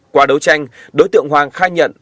qua đấu tranh đối tượng hoàng khai nhận